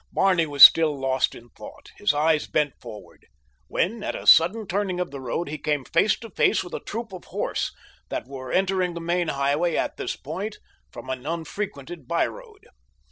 Barney was still lost in thought, his eyes bent forward, when at a sudden turning of the road he came face to face with a troop of horse that were entering the main highway at this point from an unfrequented byroad.